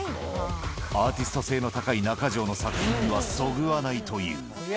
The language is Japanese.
アーティスト性の高い中城の作品にはそぐわないという。